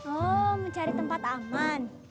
oh mencari tempat aman